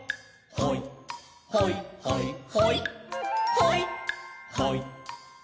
「ほいほいほいほいほい」